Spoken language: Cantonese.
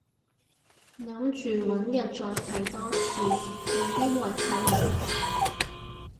諗住搵日再睇多次，有啲位睇唔明